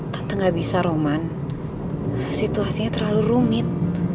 tante gak bisa roman situasinya terlalu rumit